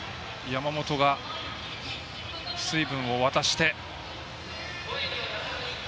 山本が水分を渡して。